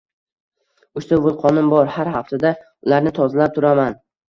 — Uchta vulqonim bor, har haftada ularni tozalab turaman.